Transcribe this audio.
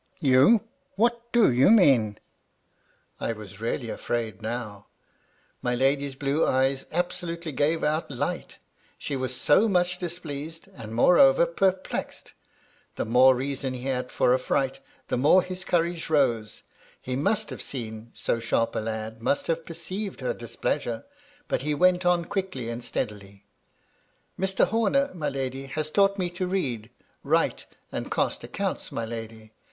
'You ! What do you mean ?" I was really afraid now. My lady's blue eyes absolutely gave out light, she was so much displeased, and, moreover, perplexed. The more reason he had for afl&right, the more his courage rose. He must have seen, — ^so sharp a lad MY LADY LUDLOW. 89 must have perceived her displeasure, but he went on quickly and steadily. "Mr. Horner, my lady, has taught me to read, write, and cast accounts, my lady.